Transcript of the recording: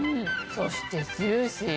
そしてジューシー。